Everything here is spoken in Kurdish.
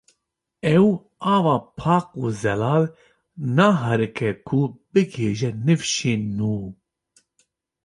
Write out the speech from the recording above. ew ava pak û zelal naherike ku bigihîje nifşên nû